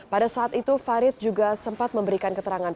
pada saat itu farid juga sempat memberikan keterangan